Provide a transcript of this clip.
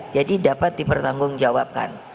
jadi dapat dipertanggung jawabkan